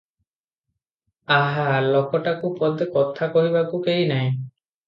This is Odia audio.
ଆହା! ଲୋକଟାକୁ ପଦେ କଥା କହିବାକୁ କେହି ନାହିଁ ।